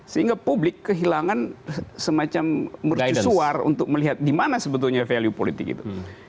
sehingga publik kehilangan semacam mercusuar untuk melihat di mana sebetulnya value politik itu